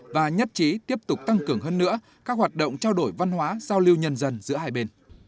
và nhất trí tiếp tục tăng cường hơn nữa các hoạt động trao đổi văn hóa giao lưu nhân dân giữa hai bên